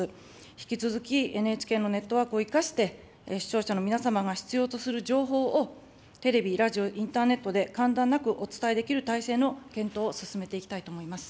引き続きＮＨＫのネットワークを生かして、視聴者の皆様が必要とする情報を、テレビ、ラジオ、インターネットで間断なくお伝えできる体制の検討を進めていきたいと思います。